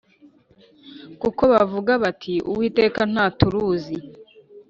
Kuko bavuga bati Uwiteka ntaturuzi